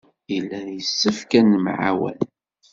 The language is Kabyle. Yella yessefk ad nemɛawan.